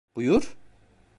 Buyur?